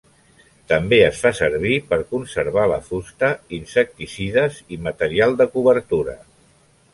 També es fa servir per conservar la fusta, insecticides i material de cobertura.